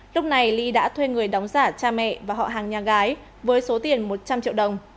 lúc này ly đã thuê người đóng giả cha mẹ và họ hàng nhà gái với số tiền một trăm linh triệu đồng